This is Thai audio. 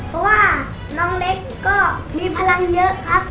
เพราะว่าน้องเล็กก็มีพลังเยอะครับ